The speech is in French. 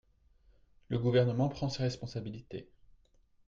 Le Gouvernement prend ses responsabilités.